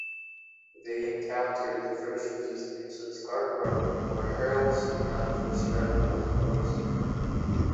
They encountered the first resistance at Scarborough, where Harald's demand for surrender was opposed.